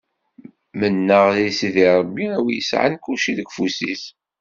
Menneɣ di Sidi Ṛebbi a wi yesɛan kulci deg ufus-is.